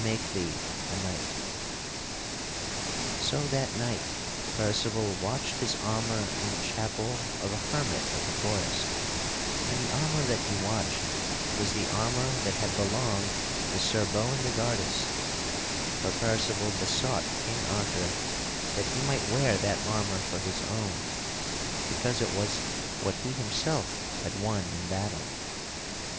[Sidenote: King Arthur makes Percival a knight royal] So that night Percival watched his armor in the chapel of a hermit of the forest, and the armor that he watched was the armor that had belonged to Sir Boindegardus (for Percival besought King Arthur that he might wear that armor for his own because it was what he himself had won in battle).